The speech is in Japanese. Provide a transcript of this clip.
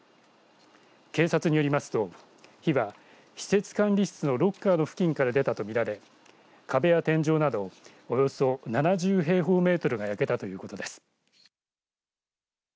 警察によりますと火は、施設管理室のロッカーの付近から出たと見られ壁や天井などおよそ７０平方メートルが焼けたということです。